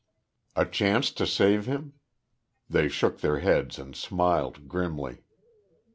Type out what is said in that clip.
A chance to save him? They shook their heads, and smiled, grimly.